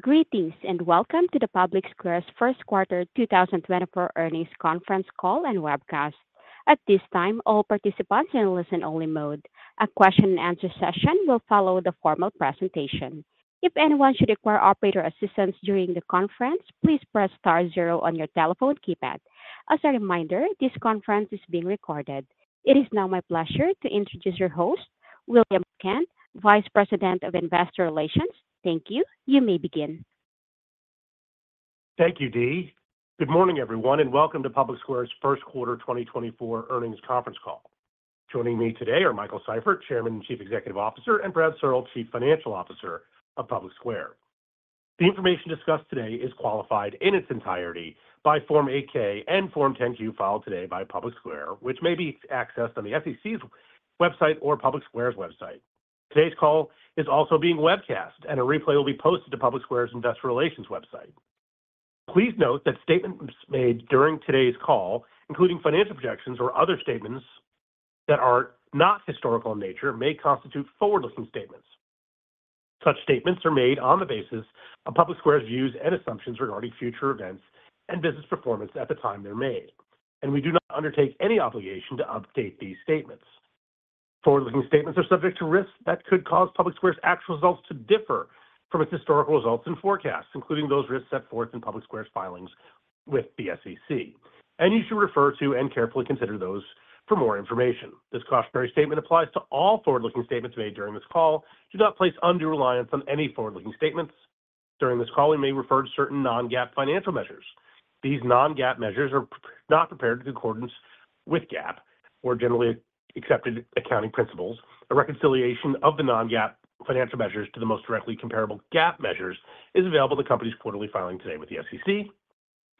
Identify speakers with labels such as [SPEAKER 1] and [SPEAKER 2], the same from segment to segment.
[SPEAKER 1] Greetings and welcome to the PublicSquare's first quarter 2024 earnings conference call and webcast. At this time, all participants in listen-only mode. A question-and-answer session will follow the formal presentation. If anyone should require operator assistance during the conference, please press star zero on your telephone keypad. As a reminder, this conference is being recorded. It is now my pleasure to introduce your host, William Kent, Vice President of Investor Relations. Thank you. You may begin.
[SPEAKER 2] Thank you, Dee. Good morning, everyone, and welcome to PublicSquare's first quarter 2024 earnings conference call. Joining me today are Michael Seifert, Chairman and Chief Executive Officer, and Brad Searle, Chief Financial Officer of PublicSquare. The information discussed today is qualified in its entirety by Form 8-K and Form 10-Q filed today by PublicSquare, which may be accessed on the SEC's website or PublicSquare's website. Today's call is also being webcast, and a replay will be posted to PublicSquare's Investor Relations website. Please note that statements made during today's call, including financial projections or other statements that are not historical in nature, may constitute forward-looking statements. Such statements are made on the basis of PublicSquare's views and assumptions regarding future events and business performance at the time they're made, and we do not undertake any obligation to update these statements. Forward-looking statements are subject to risks that could cause PublicSquare's actual results to differ from its historical results and forecasts, including those risks set forth in PublicSquare's filings with the SEC. You should refer to and carefully consider those for more information. This cautionary statement applies to all forward-looking statements made during this call. Do not place undue reliance on any forward-looking statements. During this call, we may refer to certain non-GAAP financial measures. These non-GAAP measures are not prepared in accordance with GAAP or generally accepted accounting principles. A reconciliation of the non-GAAP financial measures to the most directly comparable GAAP measures is available in the company's quarterly filing today with the SEC.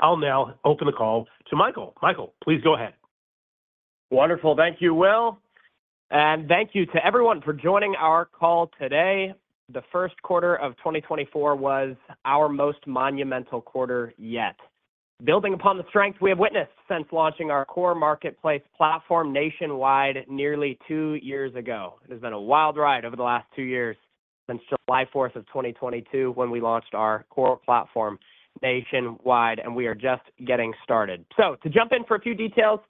[SPEAKER 2] I'll now open the call to Michael. Michael, please go ahead.
[SPEAKER 3] Wonderful. Thank you, Will. And thank you to everyone for joining our call today. The first quarter of 2024 was our most monumental quarter yet. Building upon the strength we have witnessed since launching our core marketplace platform nationwide nearly two years ago, it has been a wild ride over the last two years since July 4th of 2022 when we launched our core platform nationwide, and we are just getting started. So to jump in for a few details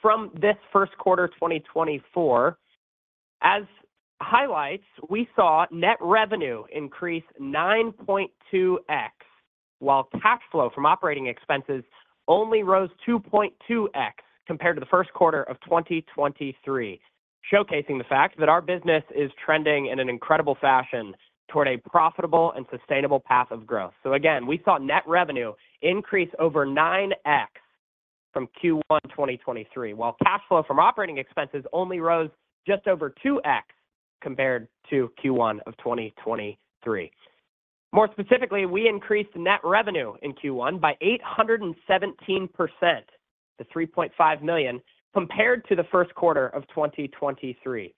[SPEAKER 3] from this first quarter 2024, as highlights, we saw net revenue increase 9.2x while cash flow from operating expenses only rose 2.2x compared to the first quarter of 2023, showcasing the fact that our business is trending in an incredible fashion toward a profitable and sustainable path of growth. So again, we saw net revenue increase over 9x from Q1 2023 while cash flow from operating expenses only rose just over 2x compared to Q1 of 2023. More specifically, we increased net revenue in Q1 by 817%, to $3.5 million, compared to the first quarter of 2023.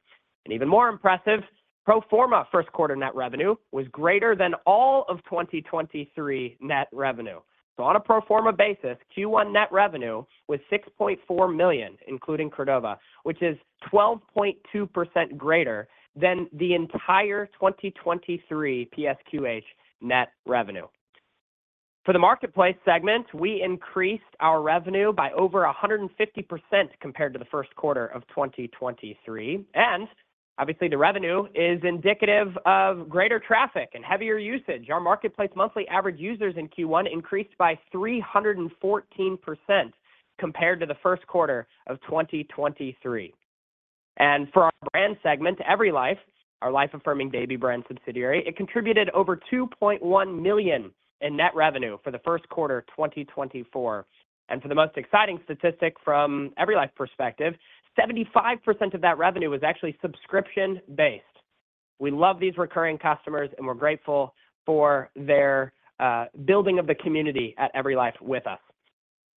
[SPEAKER 3] Even more impressive, pro forma first quarter net revenue was greater than all of 2023 net revenue. So on a pro forma basis, Q1 net revenue was $6.4 million, including Credova, which is 12.2% greater than the entire 2023 PSQH net revenue. For the marketplace segment, we increased our revenue by over 150% compared to the first quarter of 2023. Obviously, the revenue is indicative of greater traffic and heavier usage. Our marketplace monthly average users in Q1 increased by 314% compared to the first quarter of 2023. For our brand segment, EveryLife, our life-affirming baby brand subsidiary, it contributed over $2.1 million in net revenue for the first quarter 2024. For the most exciting statistic from EveryLife perspective, 75% of that revenue was actually subscription-based. We love these recurring customers, and we're grateful for their building of the community at EveryLife with us.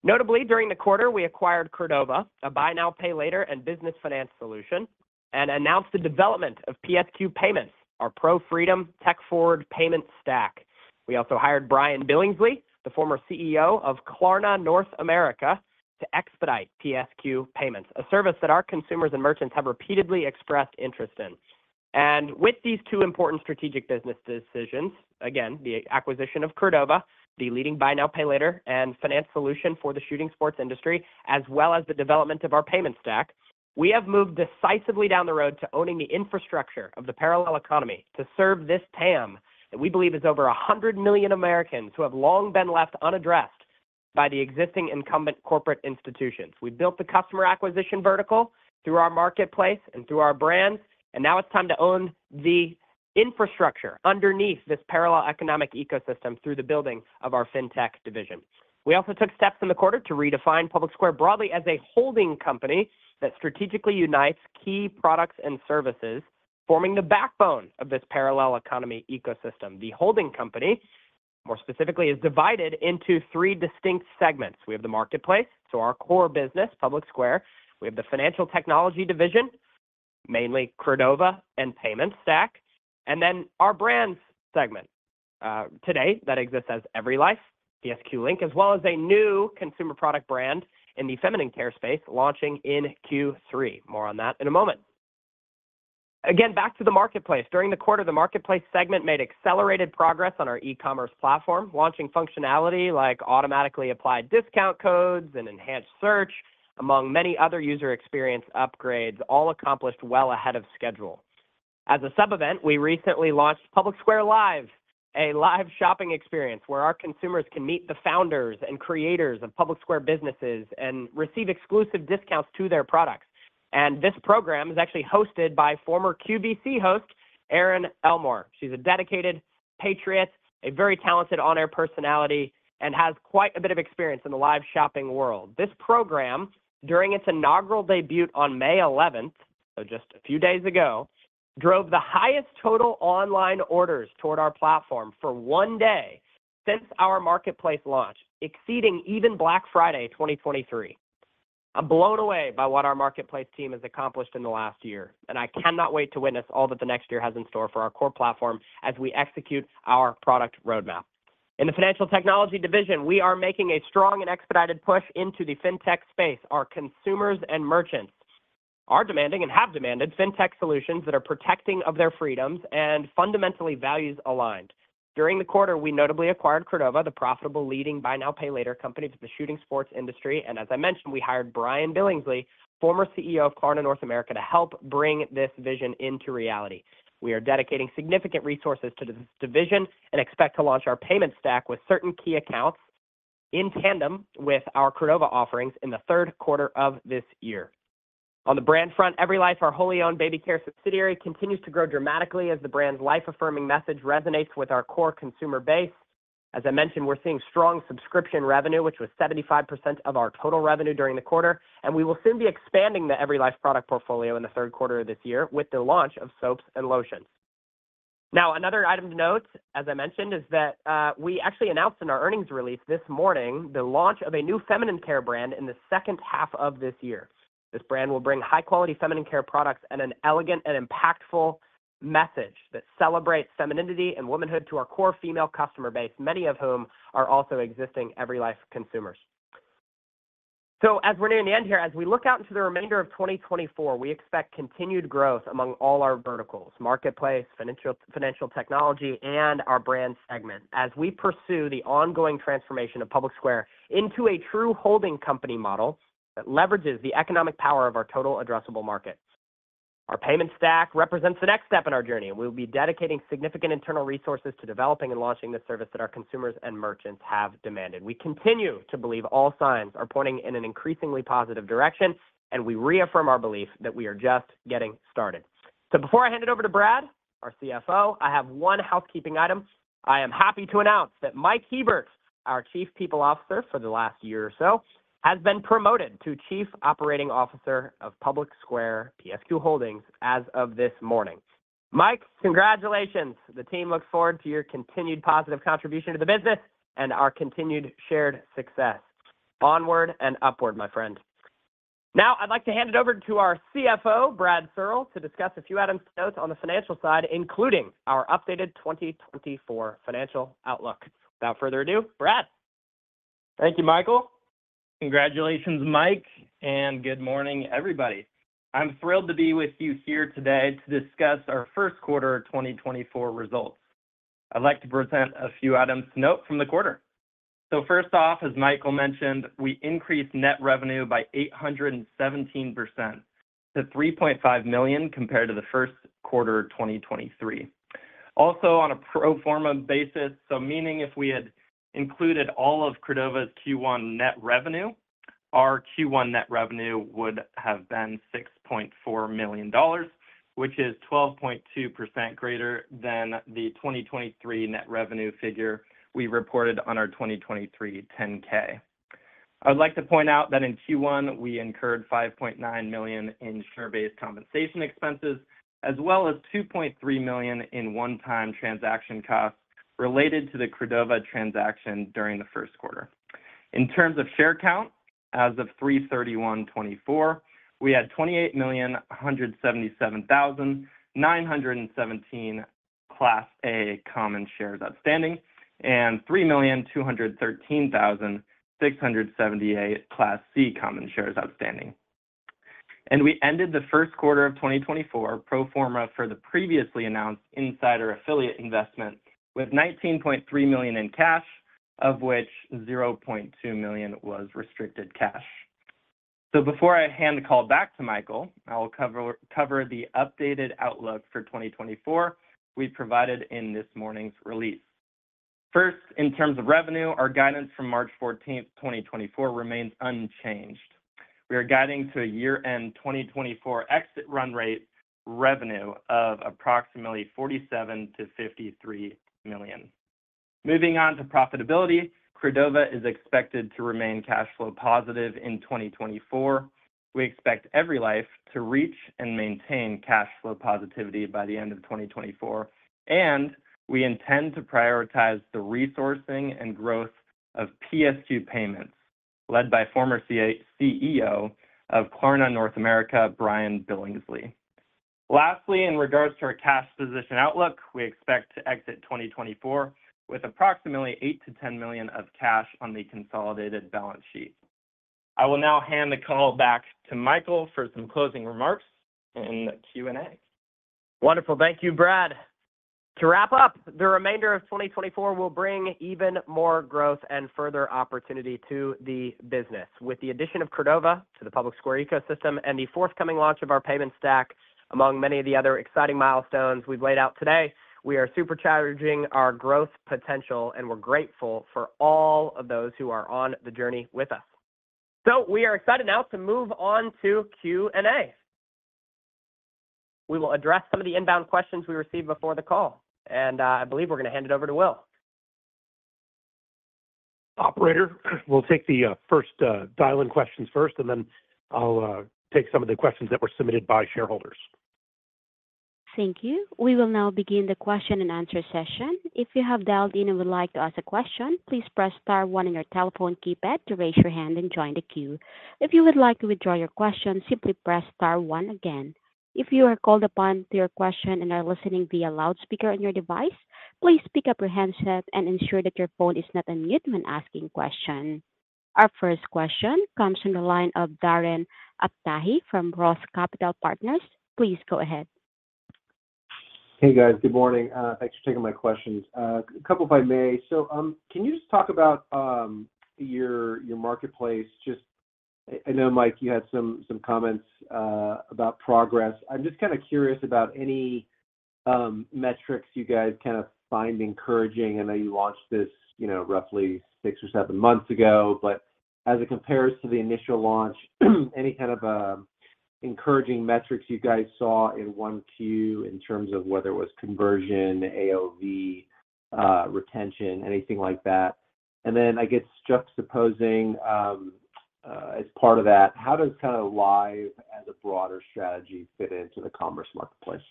[SPEAKER 3] Notably, during the quarter, we acquired Credova, a buy-now-pay-later and business finance solution, and announced the development of PSQ Payments, our pro-freedom, tech-forward payment stack. We also hired Brian Billingsley, the former CEO of Klarna North America, to expedite PSQ Payments, a service that our consumers and merchants have repeatedly expressed interest in. With these two important strategic business decisions, again, the acquisition of Credova, the leading buy-now-pay-later and finance solution for the shooting sports industry, as well as the development of our payment stack, we have moved decisively down the road to owning the infrastructure of the parallel economy to serve this TAM that we believe is over 100 million Americans who have long been left unaddressed by the existing incumbent corporate institutions. We built the customer acquisition vertical through our marketplace and through our brands, and now it's time to own the infrastructure underneath this parallel economic ecosystem through the building of our fintech division. We also took steps in the quarter to redefine PublicSquare broadly as a holding company that strategically unites key products and services, forming the backbone of this parallel economy ecosystem. The holding company, more specifically, is divided into three distinct segments. We have the marketplace, so our core business, PublicSquare. We have the financial technology division, mainly Credova and payment stack. And then our brands segment today that exists as EveryLife, PSQ Link, as well as a new consumer product brand in the feminine care space launching in Q3. More on that in a moment. Again, back to the marketplace. During the quarter, the marketplace segment made accelerated progress on our e-commerce platform, launching functionality like automatically applied discount codes and enhanced search, among many other user experience upgrades, all accomplished well ahead of schedule. As a sub-event, we recently launched PublicSquare Live, a live shopping experience where our consumers can meet the founders and creators of PublicSquare businesses and receive exclusive discounts to their products. And this program is actually hosted by former QVC host Erin Elmore. She's a dedicated patriot, a very talented on-air personality, and has quite a bit of experience in the live shopping world. This program, during its inaugural debut on May 11th, so just a few days ago, drove the highest total online orders toward our platform for one day since our marketplace launch, exceeding even Black Friday 2023. I'm blown away by what our marketplace team has accomplished in the last year, and I cannot wait to witness all that the next year has in store for our core platform as we execute our product roadmap. In the financial technology division, we are making a strong and expedited push into the fintech space, our consumers and merchants, our demanding and have demanded fintech solutions that are protecting of their freedoms and fundamentally values aligned. During the quarter, we notably acquired Credova, the profitable leading buy-now-pay-later company for the shooting sports industry. As I mentioned, we hired Brian Billingsley, former CEO of Klarna North America, to help bring this vision into reality. We are dedicating significant resources to this division and expect to launch our payment stack with certain key accounts in tandem with our Credova offerings in the third quarter of this year. On the brand front, EveryLife, our wholly-owned baby care subsidiary, continues to grow dramatically as the brand's life-affirming message resonates with our core consumer base. As I mentioned, we're seeing strong subscription revenue, which was 75% of our total revenue during the quarter. We will soon be expanding the EveryLife product portfolio in the third quarter of this year with the launch of soaps and lotions. Now, another item to note, as I mentioned, is that we actually announced in our earnings release this morning the launch of a new feminine care brand in the second half of this year. This brand will bring high-quality feminine care products and an elegant and impactful message that celebrates femininity and womanhood to our core female customer base, many of whom are also existing EveryLife consumers. So as we're nearing the end here, as we look out into the remainder of 2024, we expect continued growth among all our verticals: marketplace, financial technology, and our brand segment as we pursue the ongoing transformation of PublicSquare into a true holding company model that leverages the economic power of our total addressable market. Our payment stack represents the next step in our journey, and we will be dedicating significant internal resources to developing and launching the service that our consumers and merchants have demanded. We continue to believe all signs are pointing in an increasingly positive direction, and we reaffirm our belief that we are just getting started. So before I hand it over to Brad, our CFO, I have one housekeeping item. I am happy to announce that Mike Hebert, our Chief People Officer for the last year or so, has been promoted to Chief Operating Officer of PublicSquare PSQ Holdings as of this morning. Mike, congratulations. The team looks forward to your continued positive contribution to the business and our continued shared success onward and upward, my friend. Now, I'd like to hand it over to our CFO, Brad Searle, to discuss a few items to note on the financial side, including our updated 2024 financial outlook. Without further ado, Brad.
[SPEAKER 4] Thank you, Michael. Congratulations, Mike, and good morning, everybody. I'm thrilled to be with you here today to discuss our first quarter 2024 results. I'd like to present a few items to note from the quarter. So first off, as Michael mentioned, we increased net revenue by 817% to $3.5 million compared to the first quarter 2023. Also, on a pro forma basis, so meaning if we had included all of Credova's Q1 net revenue, our Q1 net revenue would have been $6.4 million, which is 12.2% greater than the 2023 net revenue figure we reported on our 2023 10-K. I would like to point out that in Q1, we incurred $5.9 million in share-based compensation expenses, as well as $2.3 million in one-time transaction costs related to the Credova transaction during the first quarter. In terms of share count, as of 03/31/2024, we had 28,177,917 Class A common shares outstanding and 3,213,678 Class C common shares outstanding. And we ended the first quarter of 2024 pro forma for the previously announced insider affiliate investment with $19.3 million in cash, of which $0.2 million was restricted cash. So before I hand the call back to Michael, I will cover the updated outlook for 2024 we provided in this morning's release. First, in terms of revenue, our guidance from March 14th, 2024, remains unchanged. We are guiding to a year-end 2024 exit run rate revenue of approximately $47 million-$53 million. Moving on to profitability, Credova is expected to remain cash flow positive in 2024. We expect EveryLife to reach and maintain cash flow positivity by the end of 2024, and we intend to prioritize the resourcing and growth of PSQ Payments, led by former CEO of Klarna North America, Brian Billingsley. Lastly, in regards to our cash position outlook, we expect to exit 2024 with approximately $8 million-$10 million of cash on the consolidated balance sheet. I will now hand the call back to Michael for some closing remarks in the Q&A.
[SPEAKER 3] Wonderful. Thank you, Brad. To wrap up, the remainder of 2024 will bring even more growth and further opportunity to the business. With the addition of Credova to the PublicSquare ecosystem and the forthcoming launch of our payment stack, among many of the other exciting milestones we've laid out today, we are supercharging our growth potential, and we're grateful for all of those who are on the journey with us. So we are excited now to move on to Q&A. We will address some of the inbound questions we received before the call, and I believe we're going to hand it over to Will.
[SPEAKER 2] Operator, we'll take the first dial-in questions first, and then I'll take some of the questions that were submitted by shareholders.
[SPEAKER 1] Thank you. We will now begin the question and answer session. If you have dialed in and would like to ask a question, please press star one on your telephone keypad to raise your hand and join the queue. If you would like to withdraw your question, simply press star one again. If you are called upon to your question and are listening via loudspeaker on your device, please pick up your handset and ensure that your phone is not unmuted when asking questions. Our first question comes from the line of Darren Aftahi from Roth Capital Partners. Please go ahead.
[SPEAKER 5] Hey, guys. Good morning. Thanks for taking my questions. A couple, if I may. So can you just talk about your marketplace? I know, Mike, you had some comments about progress. I'm just kind of curious about any metrics you guys kind of find encouraging. I know you launched this roughly six or seven months ago, but as it compares to the initial launch, any kind of encouraging metrics you guys saw in 1Q in terms of whether it was conversion, AOV, retention, anything like that? And then I guess juxtaposing as part of that, how does kind of live as a broader strategy fit into the commerce marketplace?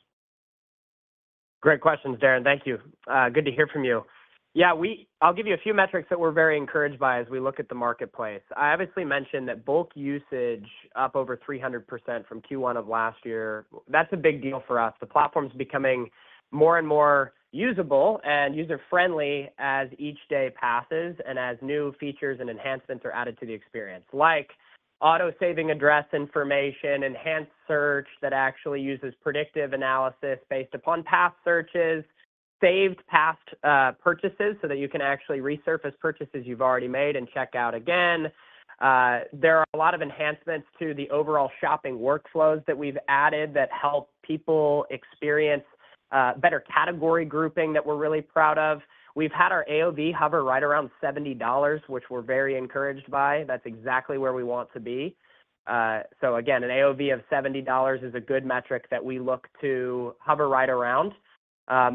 [SPEAKER 3] Great questions, Darren. Thank you. Good to hear from you. Yeah, I'll give you a few metrics that we're very encouraged by as we look at the marketplace. I obviously mentioned that bulk usage up over 300% from Q1 of last year. That's a big deal for us. The platform's becoming more and more usable and user-friendly as each day passes and as new features and enhancements are added to the experience, like auto-saving address information, enhanced search that actually uses predictive analysis based upon past searches, saved past purchases so that you can actually resurface purchases you've already made and check out again. There are a lot of enhancements to the overall shopping workflows that we've added that help people experience better category grouping that we're really proud of. We've had our AOV hover right around $70, which we're very encouraged by. That's exactly where we want to be. So again, an AOV of $70 is a good metric that we look to hover right around.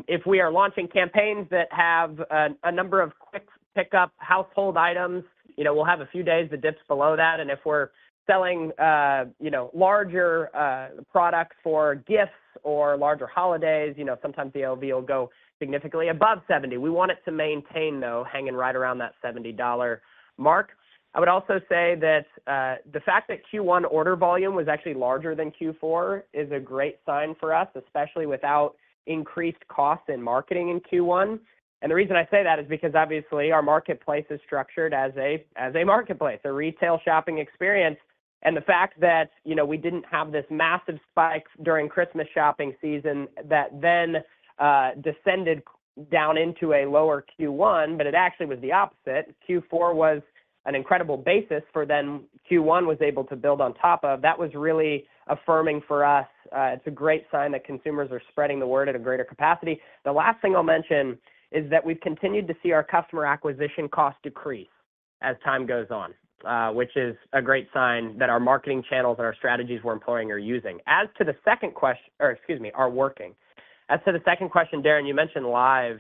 [SPEAKER 3] If we are launching campaigns that have a number of quick pickup household items, we'll have a few days to dip below that. And if we're selling larger products for gifts or larger holidays, sometimes the AOV will go significantly above 70. We want it to maintain, though, hanging right around that $70 mark. I would also say that the fact that Q1 order volume was actually larger than Q4 is a great sign for us, especially without increased costs in marketing in Q1. And the reason I say that is because, obviously, our marketplace is structured as a marketplace, a retail shopping experience. And the fact that we didn't have this massive spike during Christmas shopping season that then descended down into a lower Q1, but it actually was the opposite. Q4 was an incredible basis for then Q1 was able to build on top of. That was really affirming for us. It's a great sign that consumers are spreading the word at a greater capacity. The last thing I'll mention is that we've continued to see our customer acquisition cost decrease as time goes on, which is a great sign that our marketing channels and our strategies we're employing are using. As to the second question or excuse me, are working. As to the second question, Darren, you mentioned live.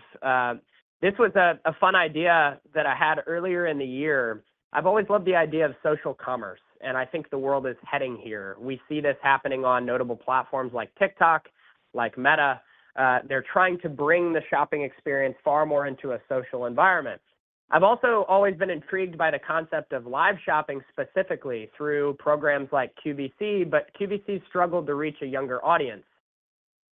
[SPEAKER 3] This was a fun idea that I had earlier in the year. I've always loved the idea of social commerce, and I think the world is heading here. We see this happening on notable platforms like TikTok, like Meta. They're trying to bring the shopping experience far more into a social environment. I've also always been intrigued by the concept of live shopping specifically through programs like QVC, but QVC struggled to reach a younger audience.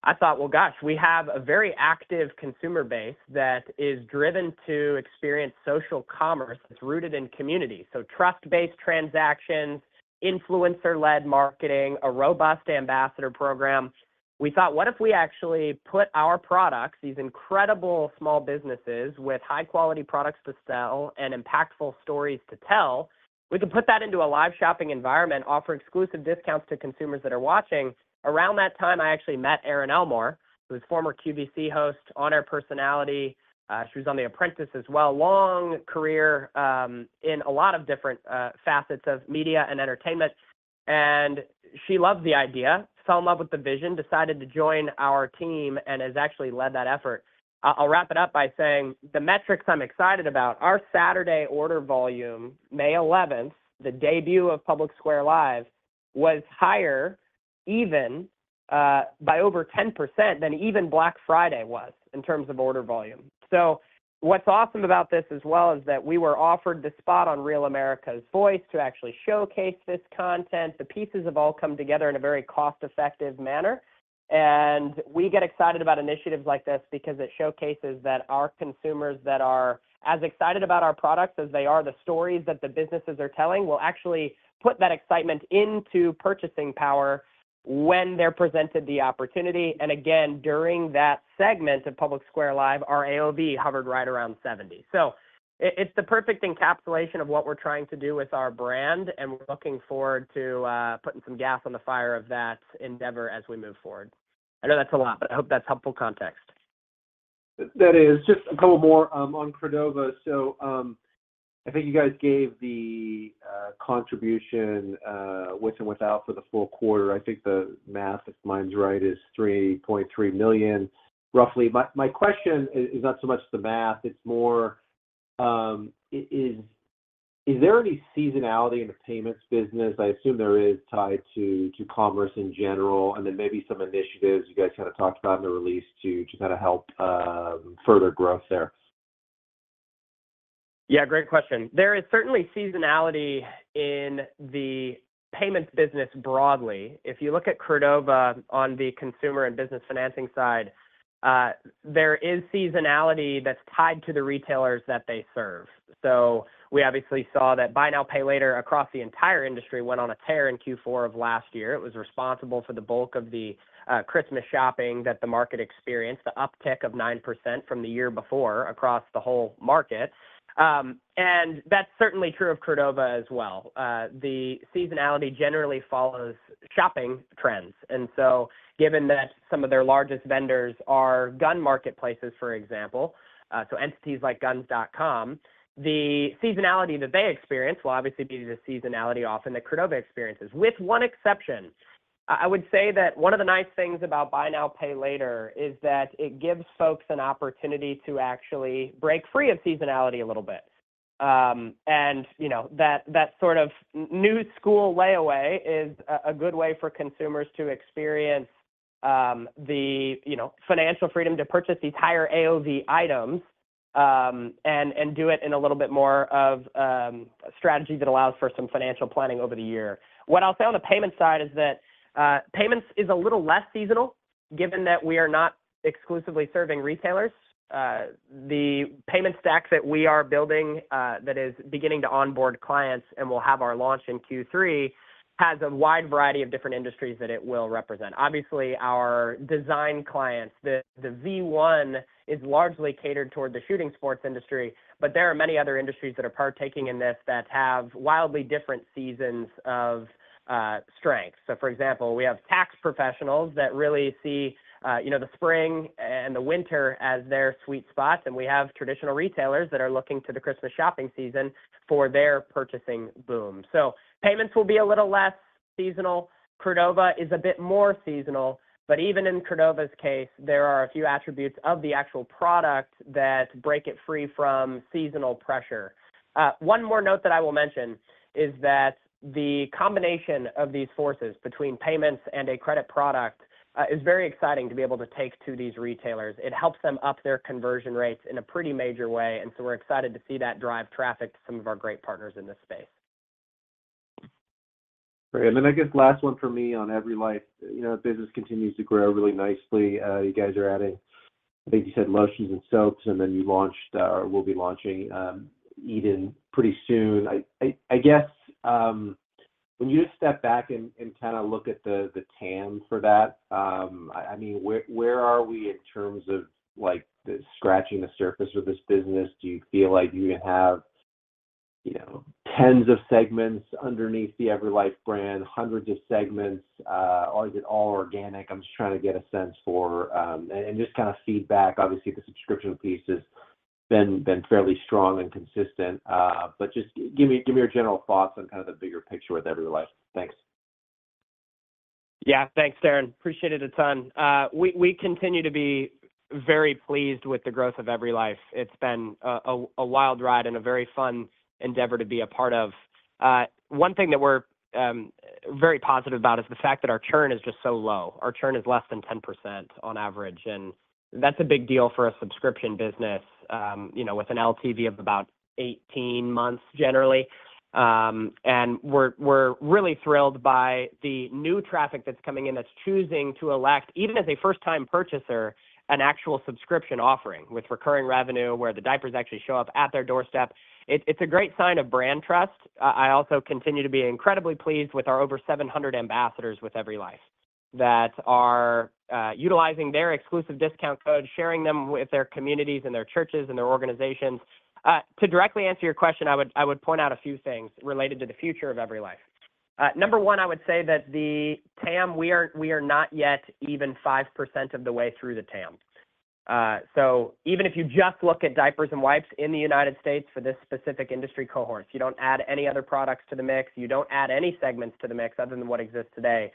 [SPEAKER 3] I thought, "Well, gosh, we have a very active consumer base that is driven to experience social commerce that's rooted in community, so trust-based transactions, influencer-led marketing, a robust ambassador program." We thought, "What if we actually put our products, these incredible small businesses with high-quality products to sell and impactful stories to tell, we could put that into a live shopping environment, offer exclusive discounts to consumers that are watching?" Around that time, I actually met Erin Elmore, who's former QVC host, on-air personality. She was on The Apprentice as well, long career in a lot of different facets of media and entertainment. She loved the idea, fell in love with the vision, decided to join our team, and has actually led that effort. I'll wrap it up by saying the metrics I'm excited about. Our Saturday order volume, May 11th, the debut of PublicSquare Live, was higher even by over 10% than even Black Friday was in terms of order volume. So what's awesome about this as well is that we were offered the spot on Real America's Voice to actually showcase this content. The pieces have all come together in a very cost-effective manner. And we get excited about initiatives like this because it showcases that our consumers that are as excited about our products as they are the stories that the businesses are telling will actually put that excitement into purchasing power when they're presented the opportunity. And again, during that segment of PublicSquare Live, our AOV hovered right around $70. So it's the perfect encapsulation of what we're trying to do with our brand, and we're looking forward to putting some gas on the fire of that endeavor as we move forward. I know that's a lot, but I hope that's helpful context.
[SPEAKER 5] That is. Just a couple more on Credova. So I think you guys gave the contribution with and without for the full quarter. I think the math, if mine's right, is $3.3 million, roughly. My question is not so much the math. It's more, is there any seasonality in the payments business? I assume there is tied to commerce in general, and then maybe some initiatives you guys kind of talked about in the release to kind of help further growth there.
[SPEAKER 3] Yeah, great question. There is certainly seasonality in the payments business broadly. If you look at Credova on the consumer and business financing side, there is seasonality that's tied to the retailers that they serve. So we obviously saw that Buy Now, Pay Later across the entire industry went on a tear in Q4 of last year. It was responsible for the bulk of the Christmas shopping that the market experienced, the uptick of 9% from the year before across the whole market. And that's certainly true of Credova as well. The seasonality generally follows shopping trends. And so given that some of their largest vendors are gun marketplaces, for example, so entities like Guns.com, the seasonality that they experience will obviously be the seasonality often that Credova experiences, with one exception. I would say that one of the nice things about Buy Now, Pay Later is that it gives folks an opportunity to actually break free of seasonality a little bit. That sort of new school layaway is a good way for consumers to experience the financial freedom to purchase these higher AOV items and do it in a little bit more of a strategy that allows for some financial planning over the year. What I'll say on the payments side is that payments is a little less seasonal given that we are not exclusively serving retailers. The payment stack that we are building that is beginning to onboard clients and will have our launch in Q3 has a wide variety of different industries that it will represent. Obviously, our design clients, the V1 is largely catered toward the shooting sports industry, but there are many other industries that are partaking in this that have wildly different seasons of strength. For example, we have tax professionals that really see the spring and the winter as their sweet spots, and we have traditional retailers that are looking to the Christmas shopping season for their purchasing boom. Payments will be a little less seasonal. Credova is a bit more seasonal. But even in Credova's case, there are a few attributes of the actual product that break it free from seasonal pressure. One more note that I will mention is that the combination of these forces between payments and a credit product is very exciting to be able to take to these retailers. It helps them up their conversion rates in a pretty major way, and so we're excited to see that drive traffic to some of our great partners in this space.
[SPEAKER 5] Great. And then I guess last one for me on EveryLife. Business continues to grow really nicely. You guys are adding, I think you said, lotions and soaps, and then you launched or will be launching Eden pretty soon. I guess when you just step back and kind of look at the TAM for that, I mean, where are we in terms of scratching the surface of this business? Do you feel like you even have tens of segments underneath the EveryLife brand, hundreds of segments? Is it all organic? I'm just trying to get a sense for and just kind of feedback. Obviously, the subscription piece has been fairly strong and consistent. But just give me your general thoughts on kind of the bigger picture with EveryLife. Thanks.
[SPEAKER 3] Yeah, thanks, Darren. Appreciate it a ton. We continue to be very pleased with the growth of EveryLife. It's been a wild ride and a very fun endeavor to be a part of. One thing that we're very positive about is the fact that our churn is just so low. Our churn is less than 10% on average, and that's a big deal for a subscription business with an LTV of about 18 months, generally. We're really thrilled by the new traffic that's coming in that's choosing to elect, even as a first-time purchaser, an actual subscription offering with recurring revenue where the diapers actually show up at their doorstep. It's a great sign of brand trust. I also continue to be incredibly pleased with our over 700 ambassadors with EveryLife that are utilizing their exclusive discount code, sharing them with their communities and their churches and their organizations. To directly answer your question, I would point out a few things related to the future of EveryLife. Number one, I would say that the TAM, we are not yet even 5% of the way through the TAM. So even if you just look at diapers and wipes in the United States for this specific industry cohort, you don't add any other products to the mix, you don't add any segments to the mix other than what exists today,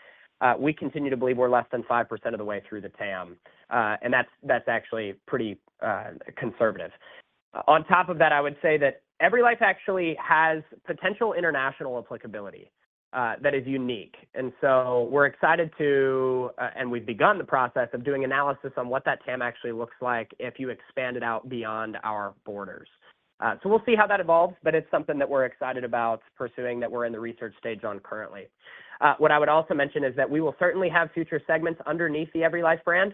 [SPEAKER 3] we continue to believe we're less than 5% of the way through the TAM, and that's actually pretty conservative. On top of that, I would say that EveryLife actually has potential international applicability that is unique. And so we're excited to and we've begun the process of doing analysis on what that TAM actually looks like if you expand it out beyond our borders. So we'll see how that evolves, but it's something that we're excited about pursuing that we're in the research stage on currently. What I would also mention is that we will certainly have future segments underneath the Every Life brand.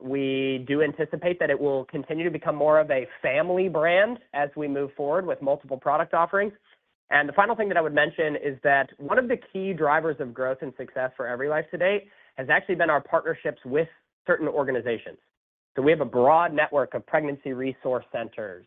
[SPEAKER 3] We do anticipate that it will continue to become more of a family brand as we move forward with multiple product offerings. And the final thing that I would mention is that one of the key drivers of growth and success for Every Life to date has actually been our partnerships with certain organizations. So we have a broad network of pregnancy resource centers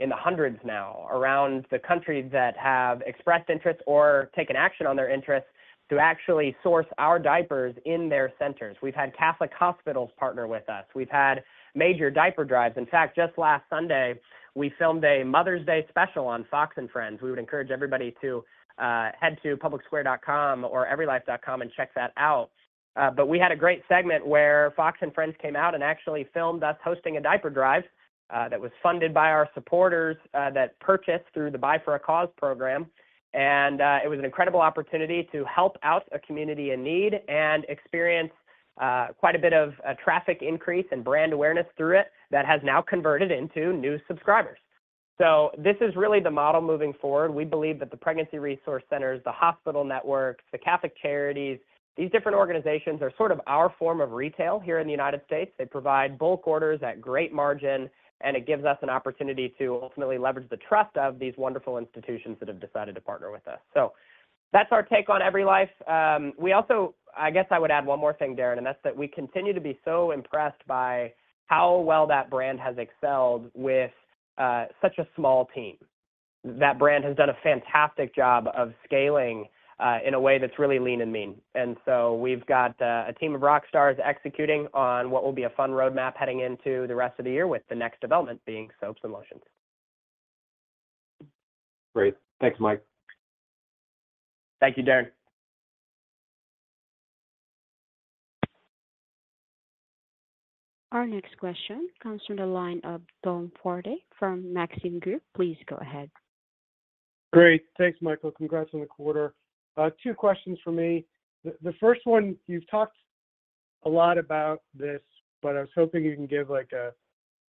[SPEAKER 3] in the hundreds now around the country that have expressed interest or taken action on their interests to actually source our diapers in their centers. We've had Catholic hospitals partner with us. We've had major diaper drives. In fact, just last Sunday, we filmed a Mother's Day special on Fox & Friends. We would encourage everybody to head to PublicSquare.com or EveryLife.com and check that out. But we had a great segment where Fox & Friends came out and actually filmed us hosting a diaper drive that was funded by our supporters that purchased through the Buy For A Cause program. And it was an incredible opportunity to help out a community in need and experience quite a bit of traffic increase and brand awareness through it that has now converted into new subscribers. So this is really the model moving forward. We believe that the pregnancy resource centers, the hospital networks, the Catholic charities, these different organizations are sort of our form of retail here in the United States. They provide bulk orders at great margin, and it gives us an opportunity to ultimately leverage the trust of these wonderful institutions that have decided to partner with us. So that's our take on EveryLife. I guess I would add one more thing, Darren, and that's that we continue to be so impressed by how well that brand has excelled with such a small team. That brand has done a fantastic job of scaling in a way that's really lean and mean. So we've got a team of rock stars executing on what will be a fun roadmap heading into the rest of the year with the next development being soaps and lotions.
[SPEAKER 5] Great. Thanks, Mike.
[SPEAKER 3] Thank you, Darren.
[SPEAKER 1] Our next question comes from the line of Tom Forte from Maxim Group. Please go ahead.
[SPEAKER 6] Great. Thanks, Michael. Congrats on the quarter. Two questions for me. The first one, you've talked a lot about this, but I was hoping you can give a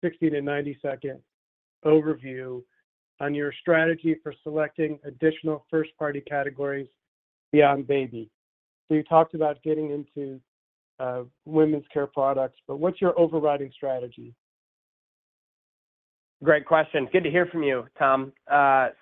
[SPEAKER 6] 60-90-second overview on your strategy for selecting additional first-party categories beyond baby. So you talked about getting into women's care products, but what's your overriding strategy?
[SPEAKER 3] Great question. Good to hear from you, Tom.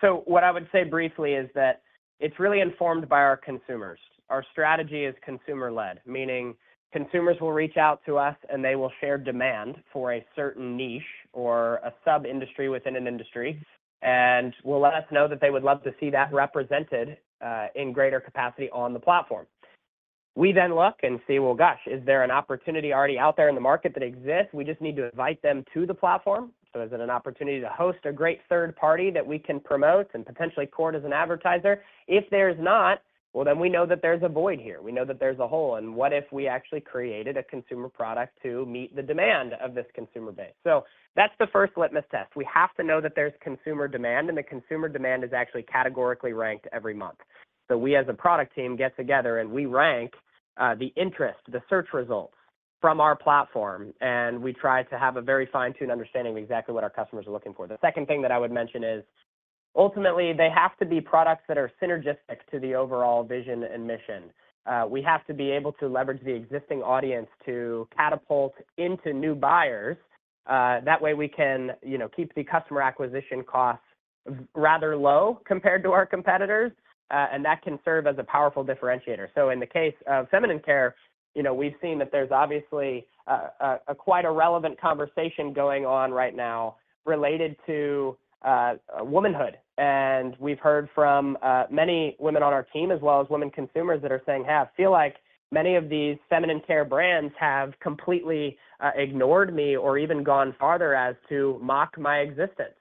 [SPEAKER 3] So what I would say briefly is that it's really informed by our consumers. Our strategy is consumer-led, meaning consumers will reach out to us, and they will share demand for a certain niche or a sub-industry within an industry and will let us know that they would love to see that represented in greater capacity on the platform. We then look and see, "Well, gosh, is there an opportunity already out there in the market that exists? We just need to invite them to the platform. So is it an opportunity to host a great third party that we can promote and potentially court as an advertiser? If there is not, well, then we know that there's a void here. We know that there's a hole. What if we actually created a consumer product to meet the demand of this consumer base?" So that's the first litmus test. We have to know that there's consumer demand, and the consumer demand is actually categorically ranked every month. So we, as a product team, get together, and we rank the interest, the search results from our platform, and we try to have a very fine-tuned understanding of exactly what our customers are looking for. The second thing that I would mention is, ultimately, they have to be products that are synergistic to the overall vision and mission. We have to be able to leverage the existing audience to catapult into new buyers. That way, we can keep the customer acquisition costs rather low compared to our competitors, and that can serve as a powerful differentiator. So in the case of feminine care, we've seen that there's obviously quite a relevant conversation going on right now related to womanhood. We've heard from many women on our team as well as women consumers that are saying, "Hey, I feel like many of these feminine care brands have completely ignored me or even gone farther as to mock my existence."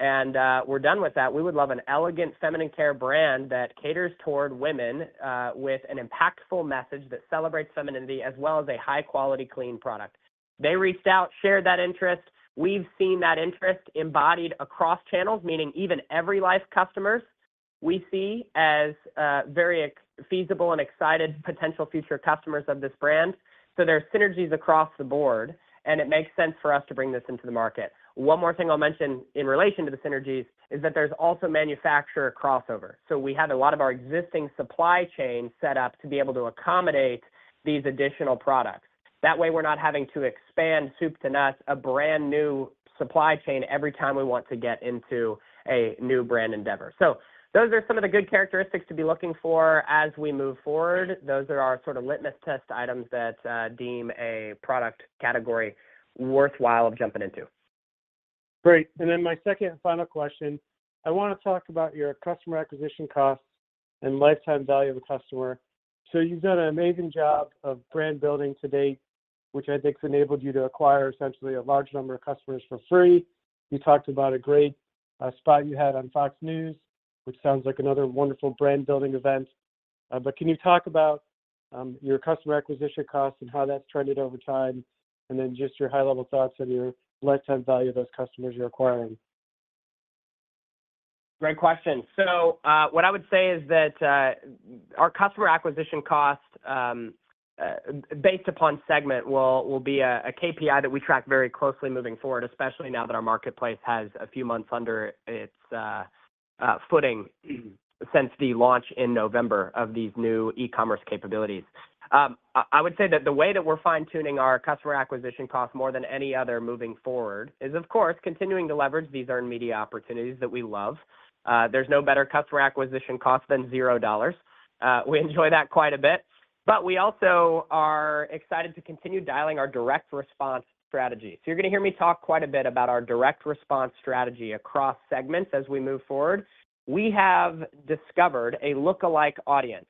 [SPEAKER 3] We're done with that. We would love an elegant feminine care brand that caters toward women with an impactful message that celebrates femininity as well as a high-quality, clean product. They reached out, shared that interest. We've seen that interest embodied across channels, meaning even EveryLife customers we see as very feasible and excited potential future customers of this brand. There are synergies across the board, and it makes sense for us to bring this into the market. One more thing I'll mention in relation to the synergies is that there's also manufacturer crossover. So we have a lot of our existing supply chain set up to be able to accommodate these additional products. That way, we're not having to expand soup to nuts, a brand new supply chain every time we want to get into a new brand endeavor. So those are some of the good characteristics to be looking for as we move forward. Those are our sort of litmus test items that deem a product category worthwhile of jumping into.
[SPEAKER 6] Great. And then my second and final question, I want to talk about your customer acquisition costs and lifetime value of the customer. So you've done an amazing job of brand building to date, which I think's enabled you to acquire essentially a large number of customers for free. You talked about a great spot you had on Fox News, which sounds like another wonderful brand-building event. But can you talk about your customer acquisition costs and how that's trended over time, and then just your high-level thoughts on your lifetime value of those customers you're acquiring?
[SPEAKER 3] Great question. So what I would say is that our customer acquisition cost based upon segment will be a KPI that we track very closely moving forward, especially now that our marketplace has a few months under its footing since the launch in November of these new e-commerce capabilities. I would say that the way that we're fine-tuning our customer acquisition costs more than any other moving forward is, of course, continuing to leverage these earned media opportunities that we love. There's no better customer acquisition cost than $0. We enjoy that quite a bit. But we also are excited to continue dialing our direct response strategy. So you're going to hear me talk quite a bit about our direct response strategy across segments as we move forward. We have discovered a lookalike audience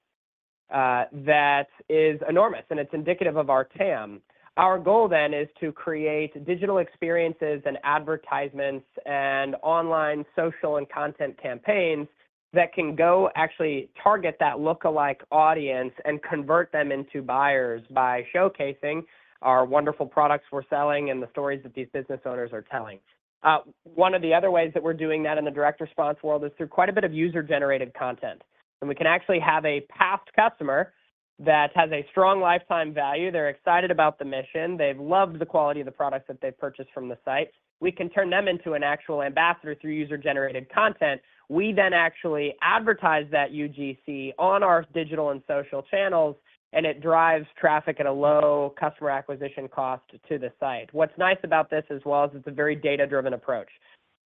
[SPEAKER 3] that is enormous, and it's indicative of our TAM. Our goal then is to create digital experiences and advertisements and online social and content campaigns that can go actually target that lookalike audience and convert them into buyers by showcasing our wonderful products we're selling and the stories that these business owners are telling. One of the other ways that we're doing that in the direct response world is through quite a bit of user-generated content. And we can actually have a past customer that has a strong lifetime value. They're excited about the mission. They've loved the quality of the products that they've purchased from the site. We can turn them into an actual ambassador through user-generated content. We then actually advertise that UGC on our digital and social channels, and it drives traffic at a low customer acquisition cost to the site. What's nice about this as well is it's a very data-driven approach.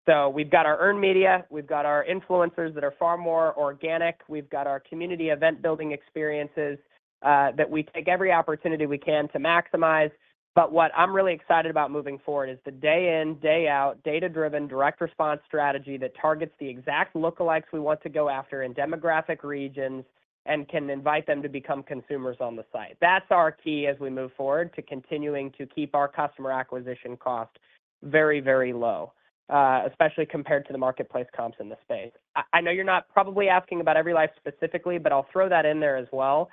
[SPEAKER 3] So we've got our earned media. We've got our influencers that are far more organic. We've got our community event-building experiences that we take every opportunity we can to maximize. But what I'm really excited about moving forward is the day-in, day-out, data-driven, direct response strategy that targets the exact lookalikes we want to go after in demographic regions and can invite them to become consumers on the site. That's our key as we move forward, to continuing to keep our customer acquisition cost very, very low, especially compared to the marketplace comps in the space. I know you're not probably asking about EveryLife specifically, but I'll throw that in there as well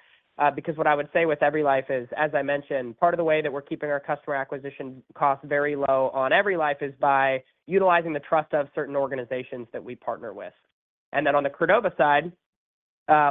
[SPEAKER 3] because what I would say with EveryLife is, as I mentioned, part of the way that we're keeping our customer acquisition costs very low on EveryLife is by utilizing the trust of certain organizations that we partner with. Then on the Credova side,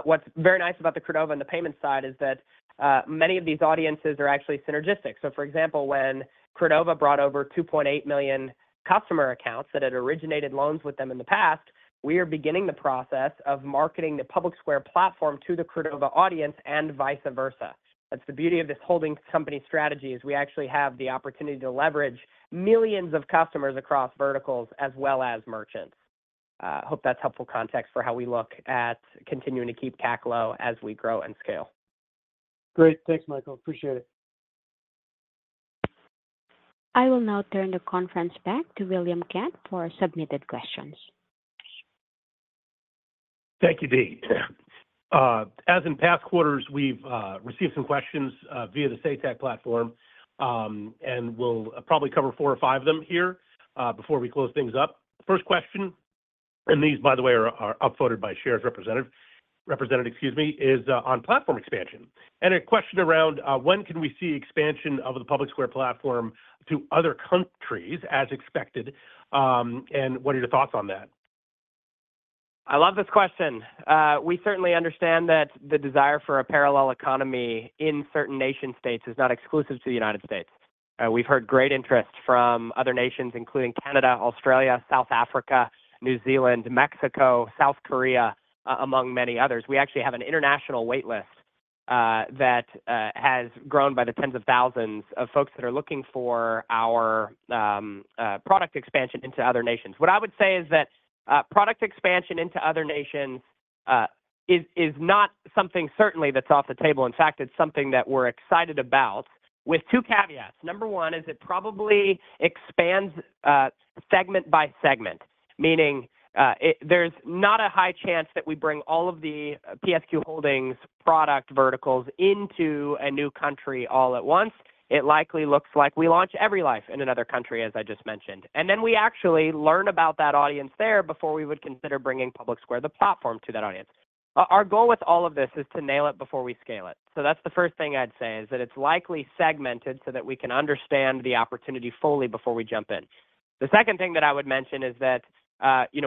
[SPEAKER 3] what's very nice about the Credova and the payments side is that many of these audiences are actually synergistic. So, for example, when Credova brought over 2.8 million customer accounts that had originated loans with them in the past, we are beginning the process of marketing the PublicSquare platform to the Credova audience and vice versa. That's the beauty of this holding company strategy is we actually have the opportunity to leverage millions of customers across verticals as well as merchants. Hope that's helpful context for how we look at continuing to keep CAC low as we grow and scale.
[SPEAKER 6] Great. Thanks, Michael. Appreciate it.
[SPEAKER 1] I will now turn the conference back to William Kent for submitted questions.
[SPEAKER 2] Thank you, Dee. As in past quarters, we've received some questions via the Say Technologies platform, and we'll probably cover four or five of them here before we close things up. First question, and these, by the way, are upvoted by Shared Representative, excuse me, is on platform expansion. A question around when can we see expansion of the PublicSquare platform to other countries as expected, and what are your thoughts on that?
[SPEAKER 3] I love this question. We certainly understand that the desire for a parallel economy in certain nation-states is not exclusive to the United States. We've heard great interest from other nations, including Canada, Australia, South Africa, New Zealand, Mexico, South Korea, among many others. We actually have an international waitlist that has grown by the tens of thousands of folks that are looking for our product expansion into other nations. What I would say is that product expansion into other nations is not something certainly that's off the table. In fact, it's something that we're excited about with two caveats. Number one is it probably expands segment by segment, meaning there's not a high chance that we bring all of the PSQ Holdings product verticals into a new country all at once. It likely looks like we launch EveryLife in another country, as I just mentioned. Then we actually learn about that audience there before we would consider bringing PublicSquare, the platform, to that audience. Our goal with all of this is to nail it before we scale it. So that's the first thing I'd say, is that it's likely segmented so that we can understand the opportunity fully before we jump in. The second thing that I would mention is that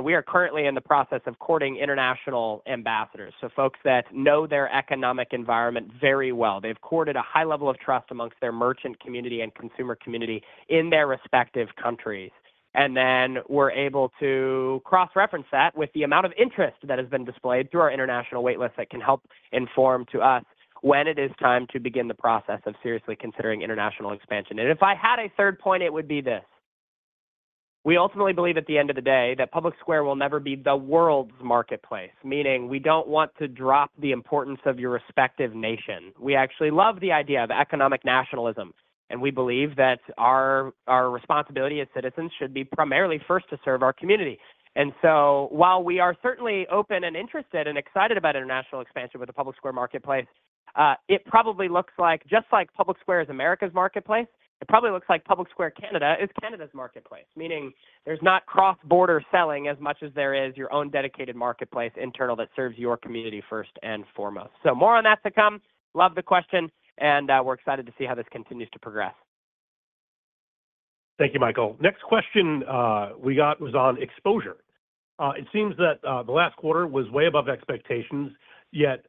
[SPEAKER 3] we are currently in the process of courting international ambassadors, so folks that know their economic environment very well. They've courted a high level of trust amongst their merchant community and consumer community in their respective countries. And then we're able to cross-reference that with the amount of interest that has been displayed through our international waitlist that can help inform to us when it is time to begin the process of seriously considering international expansion. If I had a third point, it would be this. We ultimately believe, at the end of the day, that PublicSquare will never be the world's marketplace, meaning we don't want to drop the importance of your respective nation. We actually love the idea of economic nationalism, and we believe that our responsibility as citizens should be primarily first to serve our community. And so while we are certainly open and interested and excited about international expansion with the PublicSquare marketplace, it probably looks like just like PublicSquare is America's marketplace, it probably looks like PublicSquare Canada is Canada's marketplace, meaning there's not cross-border selling as much as there is your own dedicated marketplace internal that serves your community first and foremost. More on that to come. Love the question, and we're excited to see how this continues to progress.
[SPEAKER 2] Thank you, Michael. Next question we got was on exposure. It seems that the last quarter was way above expectations, yet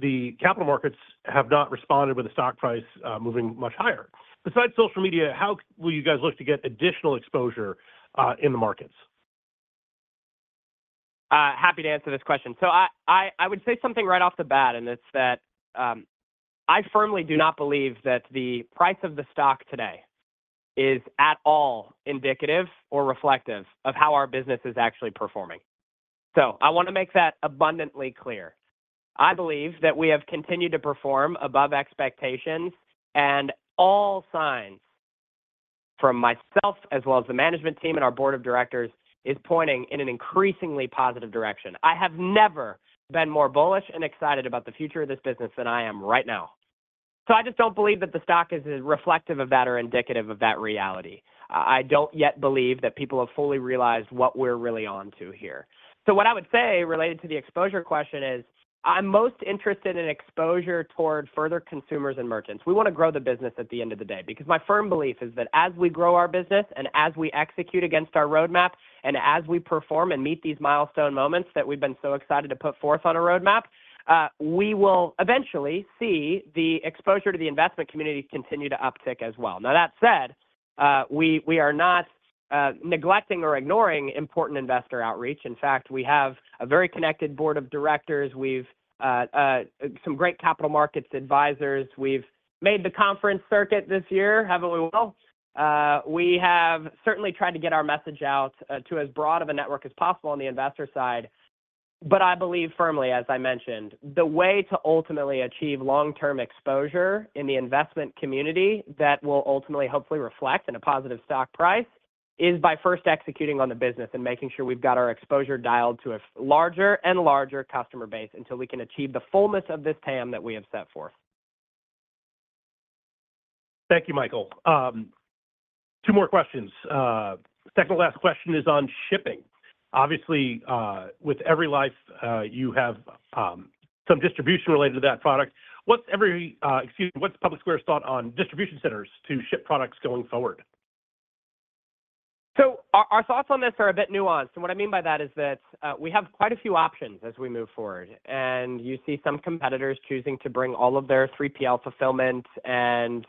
[SPEAKER 2] the capital markets have not responded with the stock price moving much higher. Besides social media, how will you guys look to get additional exposure in the markets?
[SPEAKER 3] Happy to answer this question. I would say something right off the bat, and it's that I firmly do not believe that the price of the stock today is at all indicative or reflective of how our business is actually performing. I want to make that abundantly clear. I believe that we have continued to perform above expectations, and all signs from myself as well as the management team and our board of directors are pointing in an increasingly positive direction. I have never been more bullish and excited about the future of this business than I am right now. I just don't believe that the stock is reflective of that or indicative of that reality. I don't yet believe that people have fully realized what we're really on to here. So what I would say related to the exposure question is I'm most interested in exposure toward further consumers and merchants. We want to grow the business at the end of the day because my firm belief is that as we grow our business and as we execute against our roadmap and as we perform and meet these milestone moments that we've been so excited to put forth on a roadmap, we will eventually see the exposure to the investment community continue to uptick as well. Now, that said, we are not neglecting or ignoring important investor outreach. In fact, we have a very connected board of directors. We've some great capital markets advisors. We've made the conference circuit this year, haven't we all? We have certainly tried to get our message out to as broad of a network as possible on the investor side. But I believe firmly, as I mentioned, the way to ultimately achieve long-term exposure in the investment community that will ultimately hopefully reflect in a positive stock price is by first executing on the business and making sure we've got our exposure dialed to a larger and larger customer base until we can achieve the fullness of this TAM that we have set forth.
[SPEAKER 2] Thank you, Michael. Two more questions. Second and last question is on shipping. Obviously, with EveryLife, you have some distribution related to that product. Excuse me. What's PublicSquare's thought on distribution centers to ship products going forward?
[SPEAKER 3] So our thoughts on this are a bit nuanced. What I mean by that is that we have quite a few options as we move forward. You see some competitors choosing to bring all of their 3PL fulfillment and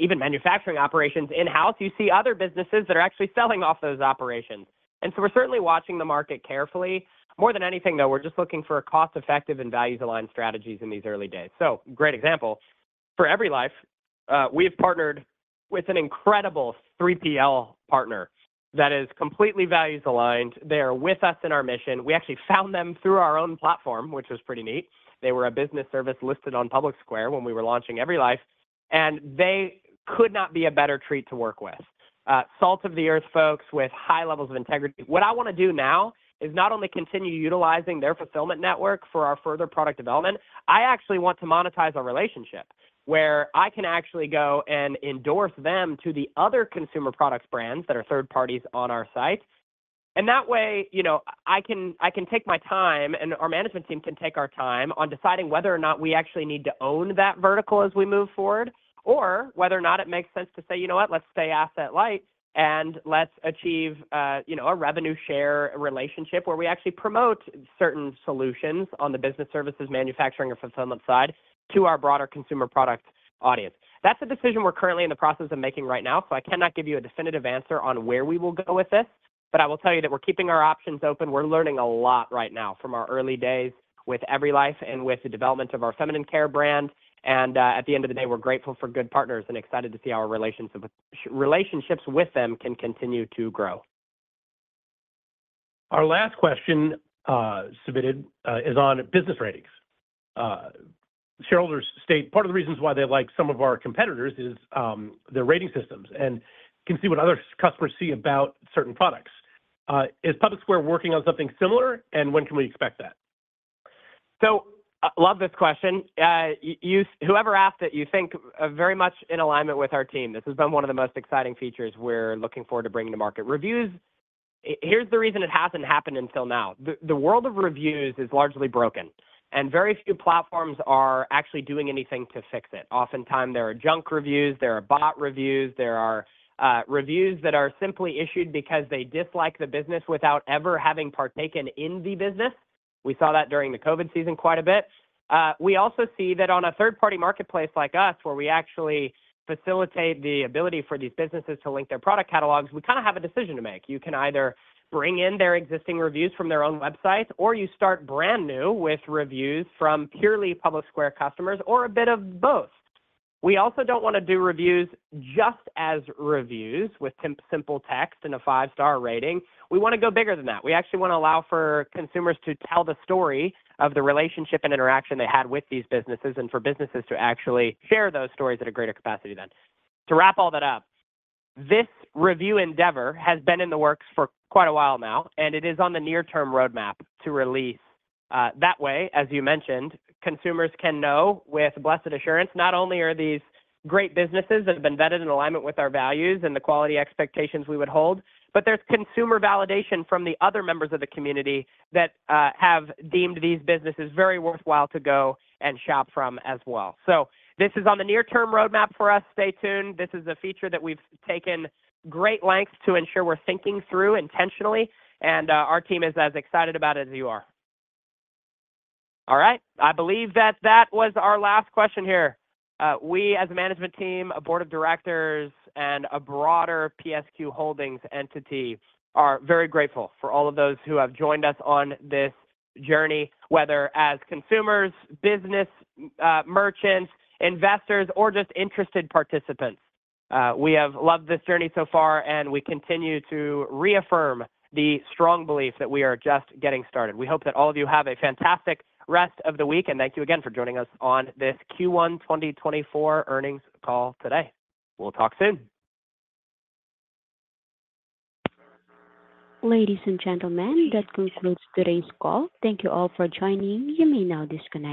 [SPEAKER 3] even manufacturing operations in-house. You see other businesses that are actually selling off those operations. So we're certainly watching the market carefully. More than anything, though, we're just looking for cost-effective and values-aligned strategies in these early days. Great example. For EveryLife, we have partnered with an incredible 3PL partner that is completely values-aligned. They are with us in our mission. We actually found them through our own platform, which was pretty neat. They were a business service listed on PublicSquare when we were launching EveryLife. They could not be a better fit to work with. Salt of the earth folks with high levels of integrity. What I want to do now is not only continue utilizing their fulfillment network for our further product development, I actually want to monetize our relationship where I can actually go and endorse them to the other consumer products brands that are third parties on our site. And that way, I can take my time, and our management team can take our time on deciding whether or not we actually need to own that vertical as we move forward or whether or not it makes sense to say, "You know what? Let's stay asset-light, and let's achieve a revenue share relationship where we actually promote certain solutions on the business services, manufacturing, or fulfillment side to our broader consumer product audience." That's a decision we're currently in the process of making right now. So I cannot give you a definitive answer on where we will go with this. But I will tell you that we're keeping our options open. We're learning a lot right now from our early days with EveryLife and with the development of our feminine care brand. And at the end of the day, we're grateful for good partners and excited to see our relationships with them can continue to grow.
[SPEAKER 2] Our last question submitted is on business ratings. Shareholders state part of the reasons why they like some of our competitors is their rating systems and can see what other customers see about certain products. Is PublicSquare working on something similar, and when can we expect that?
[SPEAKER 3] So love this question. Whoever asked it, you think very much in alignment with our team. This has been one of the most exciting features we're looking forward to bringing to market. Here's the reason it hasn't happened until now. The world of reviews is largely broken, and very few platforms are actually doing anything to fix it. Oftentimes, there are junk reviews. There are bot reviews. There are reviews that are simply issued because they dislike the business without ever having partaken in the business. We saw that during the COVID season quite a bit. We also see that on a third-party marketplace like us, where we actually facilitate the ability for these businesses to link their product catalogs, we kind of have a decision to make. You can either bring in their existing reviews from their own website, or you start brand new with reviews from purely PublicSquare customers or a bit of both. We also don't want to do reviews just as reviews with simple text and a five-star rating. We want to go bigger than that. We actually want to allow for consumers to tell the story of the relationship and interaction they had with these businesses and for businesses to actually share those stories at a greater capacity then. To wrap all that up, this review endeavor has been in the works for quite a while now, and it is on the near-term roadmap to release. That way, as you mentioned, consumers can know with blessed assurance not only are these great businesses that have been vetted in alignment with our values and the quality expectations we would hold, but there's consumer validation from the other members of the community that have deemed these businesses very worthwhile to go and shop from as well. So this is on the near-term roadmap for us. Stay tuned. This is a feature that we've taken great lengths to ensure we're thinking through intentionally, and our team is as excited about it as you are. All right. I believe that that was our last question here. We, as a management team, a board of directors, and a broader PSQ Holdings entity are very grateful for all of those who have joined us on this journey, whether as consumers, business, merchants, investors, or just interested participants. We have loved this journey so far, and we continue to reaffirm the strong belief that we are just getting started. We hope that all of you have a fantastic rest of the week, and thank you again for joining us on this Q1 2024 earnings call today. We'll talk soon.
[SPEAKER 1] Ladies and gentlemen, that concludes today's call. Thank you all for joining. You may now disconnect.